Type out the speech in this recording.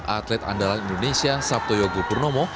atlet andalan indonesia sabto yogo purnomo